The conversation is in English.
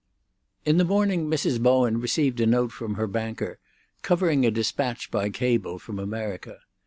XX In the morning Mrs. Bowen received a note from her banker covering a despatch by cable from America.